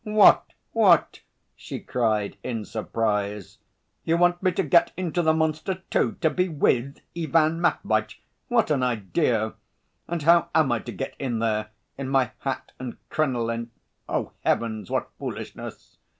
"What, what!" she cried, in surprise. "You want me to get into the monster too, to be with Ivan Matveitch? What an idea! And how am I to get in there, in my hat and crinoline? Heavens, what foolishness!